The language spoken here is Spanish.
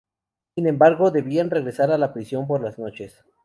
Sin embargo, debían regresar a la prisión por las noches.